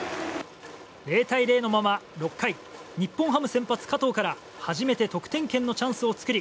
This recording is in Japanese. ０対０のまま６回日本ハム先発、加藤から初めて得点圏のチャンスを作り